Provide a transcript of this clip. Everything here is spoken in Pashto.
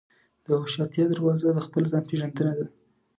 د هوښیارتیا دروازه د خپل ځان پېژندنه ده.